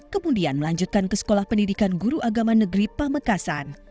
kemudian melanjutkan ke sekolah pendidikan guru agama negeri pamekasan